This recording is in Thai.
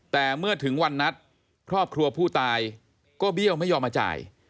แต่เมื่อถึงวันนัดครอบครัวผู้ตายก็เบี้ยวไม่ยอมมาจ่าย